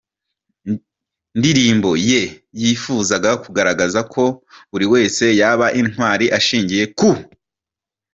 ndirimbo ye yifuzaga kugaragaza ko buri wese yaba intwari ashingiye ku.